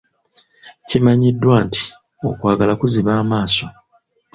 Kimanyiddwa nti, okwagala kuziba amaaso.